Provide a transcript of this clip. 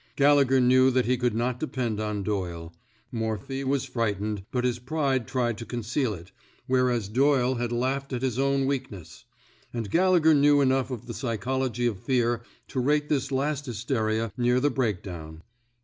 Gallegher knew that he could not depend on Doyle. Morphy was frightened, but his pride tried to conceal it, whereas Doyle had laughed at his own weakness; and Galle gher knew enough of the psychology of fear to rate this last hysteria near the break down.